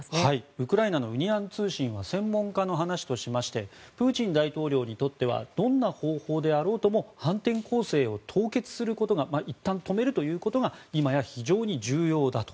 ウクライナのウニアン通信は専門家の話としましてプーチン大統領にとってはどんな方法であろうとも反転攻勢を凍結することがいったん止めるということが今や非常に重要だと。